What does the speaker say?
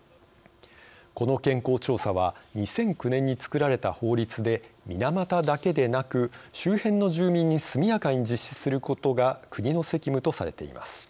この健康調査は２００９年に作られた法律で水俣だけでなく、周辺の住民に速やかに実施することが国の責務とされています。